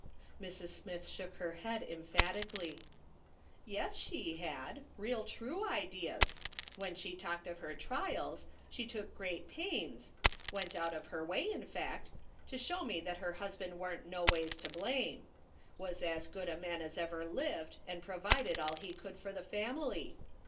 Mrs. Smith shook her head emphatically. " Yes, she had ; real true ideas ; when she talked of her trials, she took great pains — went out of her way, in fact — to show me that her husband warn't no ways to blame ; was as good a man as ever lived, F 66 MA'S. SOLOMON SMITH LOOKING ON. and provided all he could for the family.